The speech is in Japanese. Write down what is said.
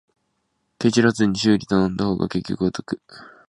ケチらずに修理頼んだ方が結局は得